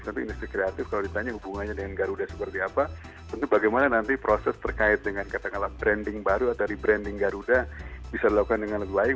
tapi industri kreatif kalau ditanya hubungannya dengan garuda seperti apa tentu bagaimana nanti proses terkait dengan katakanlah branding baru atau rebranding garuda bisa dilakukan dengan lebih baik